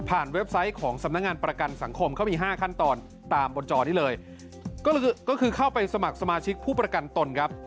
เว็บไซต์ของสำนักงานประกันสังคมเขามี๕ขั้นตอนตามบนจอนี้เลยก็คือเข้าไปสมัครสมาชิกผู้ประกันตนครับ